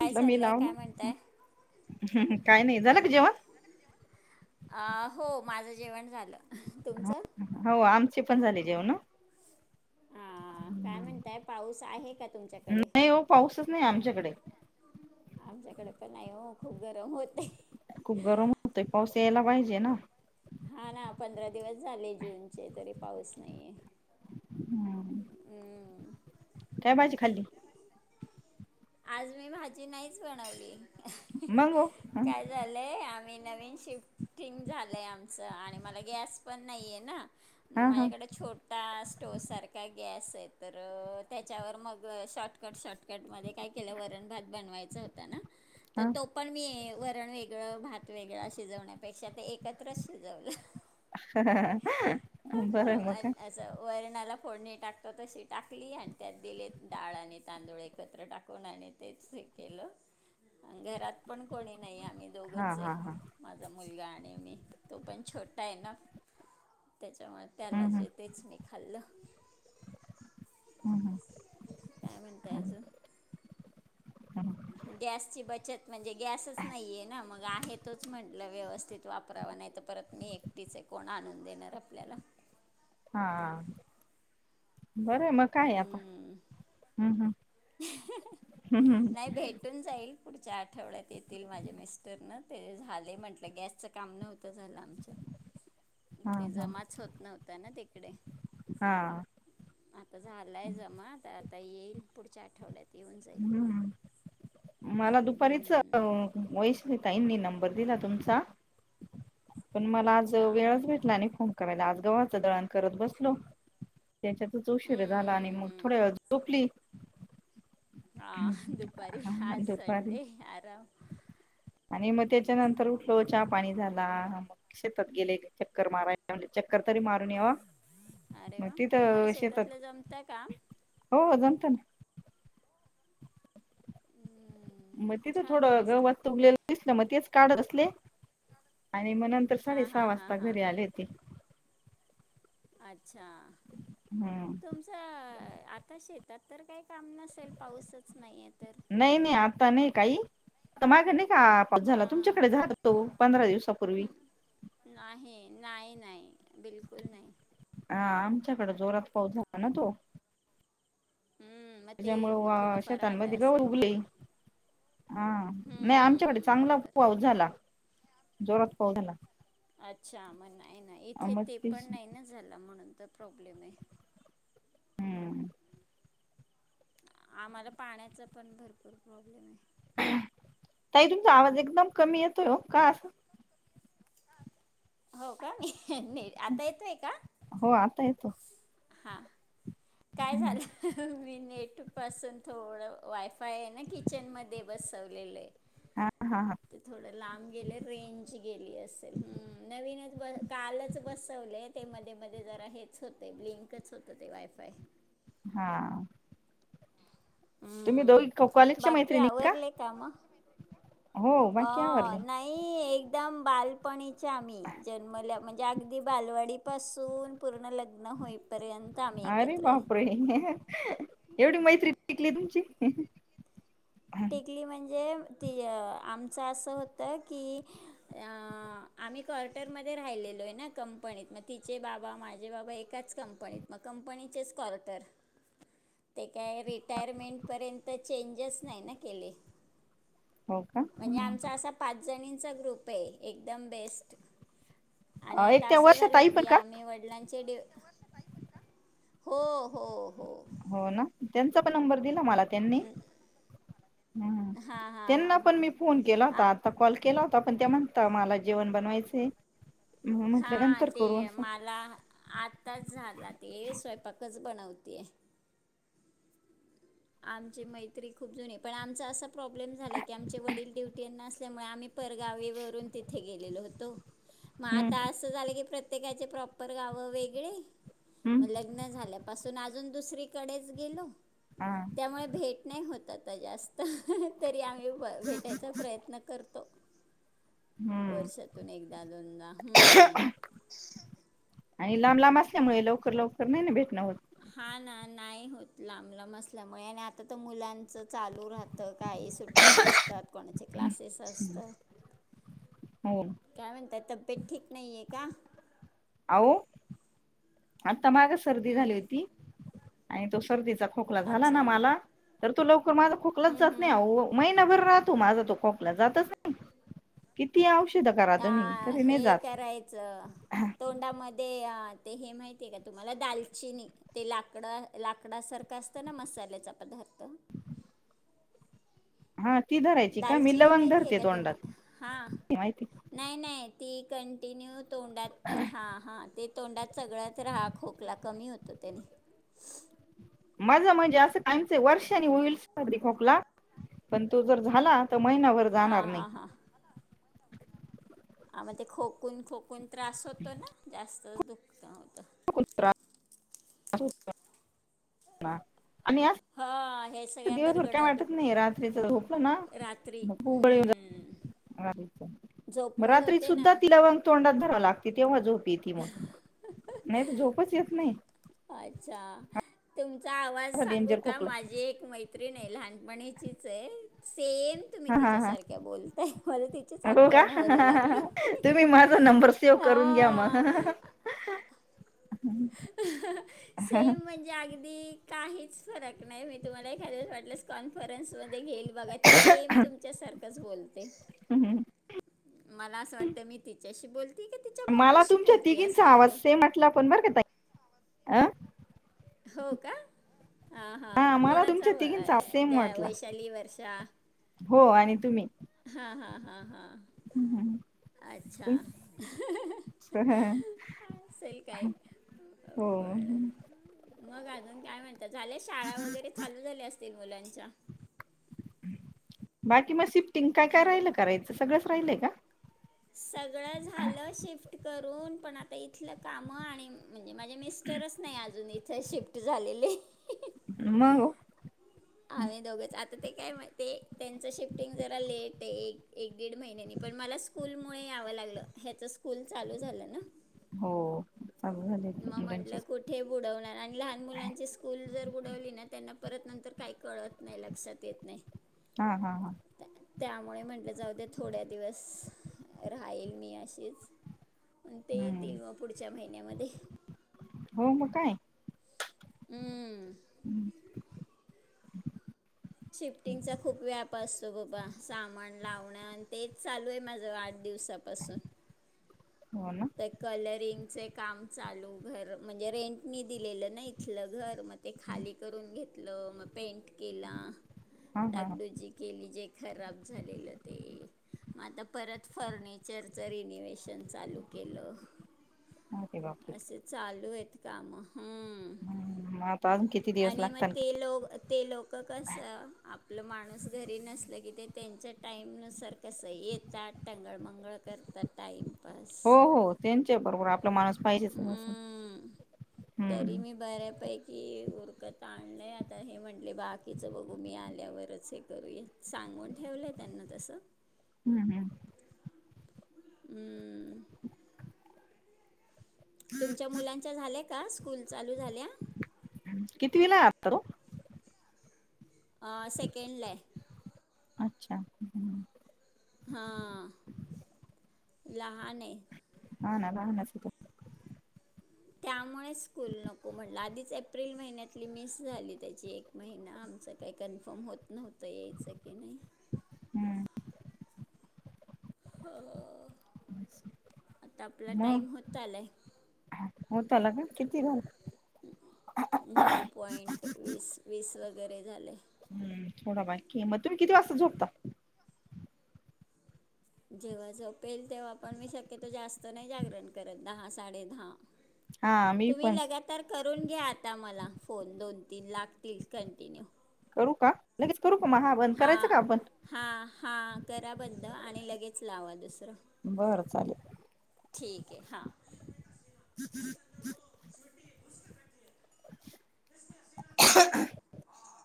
काय मी चाललंय लाव काय ना म्हणताय हम् काय नाही, झालं का जेवण? अ, हो माझं जेवण झालं तुमचं हा हो आमचे पण झाले. जेवण ना हा काय म्हणताय पाऊस आहे का तुमच्याकडे? नाही हो पाऊसच नाही आमच्याकडे आमच्याकडे पण नाही ओ, खूप गरम होतेय. खूप गरम होतोय पाऊस यायला पाहिजे ना हा ना पंधरा दिवस झाले जूनचे तरी पाऊस नाहीे हम्म. काय भाजी खाली आज मी भाजी नाहीच बनवली मंग ओ काय झालंय आम्ही नवीन शिफ्टिंग झालंय आमचं आणि मला गॅस पण नाही आहे ना. हा मग हा माझ्याकडे छोटा स्टो सारखा गॅस.. आहे तर त्याच्यावर मग शॉर्टकट शॉटकट मध्ये काय केलं वरण भात बनवायचा होता ना तर तो पण मी वर.. रण वेगळं भात वेगळा शिजवण्यापेक्षा ते एकत्रच शिजवलं. ह बरं मका णाला फोडणी टाकतो तशी टाकली आणि त्यात दिले डाळ आणि तांदूळ एकत्र टाक.. कुन आणि तेच हे केलं, घरात पण कोणी नाही आम्ही हा दोघंच आहे हा हा माझा मुलगा आणि मी तो पण छोटा आहे ना त्याच्यामुळे त्याला हम्म, हम्म, जे तेच मी खाल्लं. हम्म, हम्म, काय म्हणताय हम्म, अजुन हम्म. गॅसची बचत म्हणजे गॅसच नाहीये ना मग आहे तोच म्हटलं व्यवस्थित वापरावा नाही तर परत मी एकटीच आहे, कोण आणून देणार आपल्याला. हा बरं मग काय आता हम्म. हम्म हम्म हम्म, हम्म. नाही भेटून जाईल पुढच्या आठवड्यात येतील माझे मिस्टर ना, ते झाले म्हटलं गॅसच काम नव्ह.. ते झाल आमच, हा ते हा जमाच होत नव्हत ना ते इकडे हा आता झालाय जमा तर आता येईल पुढच्या आठवड्यात येऊन जाईल हं मला दुपारीच हम्म, वैशा ताईंनी नंबर दिला तुमचा. पण मला आज अच्छा वेळच भेटला नाही फोन म्हणलं आज गव्हाचं दळण करत बसलो. त्याच्यातच उशीरा झाला आणि हम्म, मग थोड्या हम्म. वेळ झोपली. हा दुपारी हा आज दुपारी संडे आराम. आणि मग त्याच्यानंतर उठलो चहा पाणी झाला मग शेतात गेले चक्कर मारायला चक्कर तरी मारून यावा अरे मग वा तिथ तुम्हाला शेतात शेतातलं जमतं काम हो जमतं ना. [unintelligible] हम्म, मग तिथं छान थोडं मस्त गवात उरलेलं दिसल मग तेच काढत बसले. आणि मग नंतर हां साडे सहा हां हां वाजता हां घरी आले होते. अच्छा हम्म तुमचं आता शेत त्यात तर काय काम नसेल पाऊसच नाहीये तर त मागने का झाला हां तुमच्याकडे झाला तो पंधरा दिवसापूर्वी नाही नाही नाही बिलकुल नाही. हा आमच्याकडे जोरात पाऊस झाला ना तो. हम्म मग त्याच्यामुळ ते थोडंफार आलं शेतांमध्ये गवत असेल उगले हा नाही आमच्याकडे हम्म चांगला बरोबर पाऊस झाला. जोरात पाऊस झाला अच्छा म्हण नाही ना इथे ते पण नाही ना झालं म्हणून तर प्रॉब्लेम आहे हम्म आम्हाला पाण्याचा पण भरपूर प्रॉब्लेम आहे. ताई तुमचा आवाज एकदम कमी येतोय ओ का असं? हो का मी [unintelligible] आता येतोय का हो [unintelligible] हां काय झालं मी नेट पासून थोडं वायफाय आहे ना किचन मध्ये बसवलेलंय हा हा हा ते थोड लांब गेले रेंज गेली असेल हू नवीन कालच बसवले ते मध्ये मध्ये जरा हेच होतय ब्लिंक होत ते वायफाय हा तुम्ही हम्म दोघ कॉलेजच्या बाकी मैत्रिणी का आवरले काम हो अ बाकी आवरले नाही एक एकदम बालपणीच्या आम्ही जन्मल्या म्हणजे अगदी बालवाडीपासून पूर्ण लग्न होई अरे बापरे एवढी मैत्री टिकली तुमची टिकली म्हणजे ती आमचं असं होतं की आम्ही क्ॉर्टरमध्ये राहिलेलो आहे ना कंपनीत मग तिचे बाबा माझे बाबा एकाच कंपनीत मग कंपनीचेच क्र्टर ते काय रिटायरमेंटपर्यंत चेंजेस नाही ना केले ठी का आहे ह चा ग्रुप आहे एकदम बेस्ट आणि आता एक त्या असं वर्षा झालं ताई की पण का आम्ही वडिलांचे ड हो हो हो हो ना त्यांचा पण नंबर मला त्यांनी हम्म हां हां हां त्यांना पण हां मी फोन केला होता. हां आता काॅल केला होता. पण त्या म्हण मला जेवण बनवायचं आहे. हा ते मला आताच झाला. ते स्वयंपाकच बनवते. [unintelligible] आमची मैत्री खूप जुनी पण आमचं असं प्रॉब्लेम झाला की आमचे वडील डुटी अना असल्यामुळे म आम्ही गावीवरून तिथे गेलेल होतो. मग हम्म आ अस झालं की प्र प्रत्येकाचे प्रॉपर गावं वेगळे हम्म लग्न झाल्यापाून आज अजून दुसरीकडेच गेलो. हा त्यामुळे भेट नाही होत आता जास्त तरी आम्ही भ भेटायचा प्रयत्न करतो. हम्म वर्षातून एकदा दोनदा हम्म आणि लांब लांब असल्यामुळे लवकर लवकर नाही ना भेटणं होत. हा ना नाही होत लांब लांब असल्यामुळे आणि आता तर मुलांच चालू राहतं. काही सुट्ट्या नसतात. कोणाचे क्लासेस असतात. हो काय म्हणता तब ते ठीक नाहीये का? आहो माग सर्दी हं, झाली होती. आणि तो सर्दीचा खोकला झाला अच्छा ना मला तर तु लव माझा खोकलाच हं, जात नाही हं, हं. अहो महिनाभर राहतो. माझा तो खोकला जातच नाही. किती औष अ हे करायच तोंडामध्ये ते हे माहितीये का तुम्हाला दालचिनी ते लाकड लाकडा सारखं असतं ना मसाल्याचा पदार्थ. हा ती धरायची का मी दालचिनी लवंग माहिती आहे धरते का तोंडात. तुम्हाला हां माहिती नाही नाही ती कंटिन्यू तोंडात हा हा ते तोंडात चगळत रहा खोकला कमी होतो त्यांने. माझ म्हणजे असं कायमच वर्षानी होईल सर्दी, खोकला पण तो जर झाला तर महिनाभर हां जाणार नाही. हां हां आ मग ते खोकून खोकून त्रास होतो ना जास्त [unintelligible] [inaudible] आणि असं हा. दिवसभर काय वाटत नाही. रात्रीच झोपलं ना रात्री मग मरगळून हम्म. जात. मग झोपमोड रात्री होते सुद्धा ना ति लवंग तोंडात धराव लागत. तितीे माजू. पिती मग. नाही त झोपच येत नाही. अच्छा तु तुमचा आवाज असा सांगू डेंजर का खोकला माझी एक मैत्रीण आहे लहानपणीची तेच सेम तुम्ही हा हा हा तिच्यासारख्या बोलताय, मला तिचीच हो का आठवण व्हायला लागली. तुम्ही माझा नंबर सेव्ह हम् हम्. करून घ्या मग हा. सेम म्हणजे अगदी काहीच फरक नाही मी तुम्हाला एखाद्या वेळेस वाटलेस कॉन्फरन्स घेईल बघा ती सेम तुमच्या सारखच बोलते. मला असं वाटतं मी तिच त्याशी बोलते. की तिच्या मला मम्मीशी तुमच्या बोलते असं तिघींचा आवाज झालं सेम म्हटला पण बर का त आं. हो का हा हा मला कोणाचा तुमच्या तिघींचा सेम त्या वाटला वैशाली, वर्षा, हो आणि तुम्ही हा हा हा हा. तुम- अच्छा असेल काय हो पण. मग अजून काय म्हण ताय? झाल्या शाळा वगैरे चालू झाल्या अस तीन मुलांच्या बाकी मग शिफ्टिंग काय काय हॅलो राहिलं करायचं सगळंच राहिलंय. सगळं झालं शिफ्ट कर करून पण आता इथलं कामं आणि म्हणजे माझे मिस्टरच नाही अजून च शिफ्ट झालेलेय. ह मग ओ? आम्हि दोघंच आता- ते काय माहितिये? त्यांचं शिफ्टिंग जरा लेटए. एक- एक दीड महिन्यानी पण मला स्कूलमुळ यावं लागलं, ह्याचं स्कूल चालू झालं ना. हो. चालू झाले मग मुलांचे म्हंटलं कुठे बुडवणार आणि लहान हा मुलांची स्कूल जर बुडवली ना त्यांना- परत नंतर काही कळत नाही. लक्षात येत नाही. हा हा हा. त्या- त्यामुळे, म्हटलं जाऊद्या थोड्या दिवस- राहील मी अशीच- ते हम्म येतील मग पुढच्या महिन्या- मे मध्ये. हो मग काय? हम्म. हम्म. [inaudible] शिफ्टिंगचा खूप व्याप असतो बबा. सामान लावणं आणि तेच चालूय माझं आठ दिवसापासून- हो ना ते कलरिंग- चे काम चालू घर -म्हणजे रेंटनी दिलेलं ना, इथलं घर मग ते खाली करून घेतलं मग पेंट केला. हा हा हा. डागडुजी केली जे- खराब झालेलं ते. मग आता परत फर्निचरचं रिनोवे्हेशन चालू- केल. अरे अस चालूएत. काम. हम. आता अजून किती दिवस आणि मग लागता नि ते कि लोक - ते लोक - त कस? आपलं माणूस घरी नसल की ते- त्यांच्या टाईमनुसार कसं? येतात टंगळ मंगळ करतात टाईम- बस. हो हो. त्यांच्या बरोबर आपला माणूस पाहिजे ना असं हम्म. हम्म- कि उरकत आणलंय आता. हे म्हंटले बाकीचं बघू, मी आल्यावरच हे करू. सांगून ठेवलंय त्यांना तसं- हम्म हम्म. हम्म. तुमच्या मुलांच्या झाल्या का? स्कूल चालू झाल्या? कितवीलाए आत्ता तो? आं - सेकंडलाय. अच्छा हम्म. हां -लहान आहे. हा ना - लहानाचंये तो - त्यामुळे स्कूल नको म्हटलं, आधीच एप्रिल महिन्यातली मिस झाली त्याची एक महिना आमच काही कन्फर्म होत नव्हत यायचं की नाही. हम्म हा. आता आपला टाईम होता आलाय? झाला काय किती झाला? नऊ पॉइंट वीस वीस व [inaudible] हम्म थोडा बारकी, मगं तुम्ही किती वाजता झोपता? जेव्हा झोपेल, तेव्हा पण मी शक्यतो जास्त नाही जागरण करत दहा, साडे दहा. हा मी तुम्ही पण लगातार करून घ्या आता मला फोन दोन? तीन लागतील कंटिन्यू करू का लगेच? करू का मग बंद हा करायचं का आपण हा हा करा बंद आणि लगेच लावा दुसरं बरं चालेल ठीक आहे हा [unintelligible]